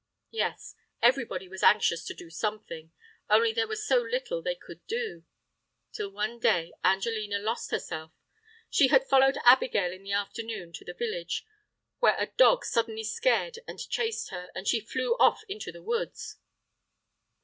Yes, everybody was anxious to do something, only there was so little they could do—till one day Angelina lost herself! She had followed Abigail in the afternoon to the village, where a dog suddenly scared and chased her, and she flew off into the woods.